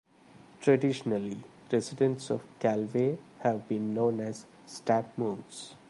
Traditionally, residents of Chalvey have been known as "stab-monks".